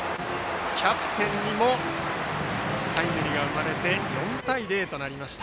キャプテンにもタイムリーが生まれて４対０となりました。